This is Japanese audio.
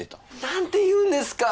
何で言うんですか！